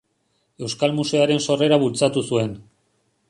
Euskal Museoaren sorrera bultzatu zuen.